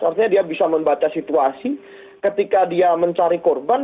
artinya dia bisa membaca situasi ketika dia mencari korban